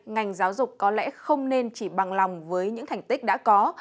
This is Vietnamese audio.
ngành giáo dục có lẽ không nên chỉ bằng lòng với những thành tích đã có